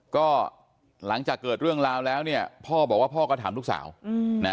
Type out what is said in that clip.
ก็หลังจากเกิดเรื่องราวแล้วเนี่ยพ่อบอกว่าพ่อก็ถามลูกสาวนะ